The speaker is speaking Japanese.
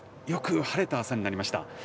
よく晴れた朝になりました。